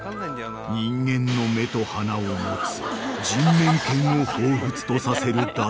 ［人間の目と鼻を持つ人面犬をほうふつとさせる伊達の問題作］